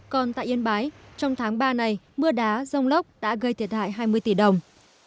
còn tại yên bái trong tháng ba này mưa đá rông lốc đã gây thiệt hại hai mươi tỷ đồng